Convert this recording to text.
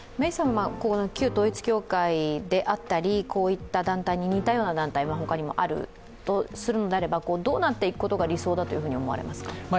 旧統一教会であったりこういった団体に似たような団体が他にもあるとするのであればどうなっていくことが理想だと思われますか？